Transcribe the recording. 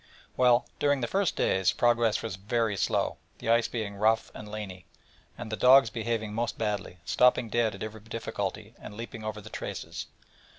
Well, during the first days, progress was very slow, the ice being rough and laney, and the dogs behaving most badly, stopping dead at every difficulty, and leaping over the traces.